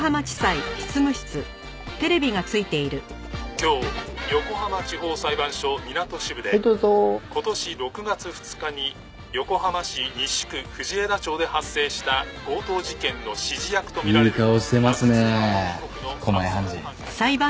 「今日横浜地方裁判所みなと支部で今年６月２日に横浜市西区藤枝町で発生した強盗事件の指示役とみられる」いい顔してますね狛江判事。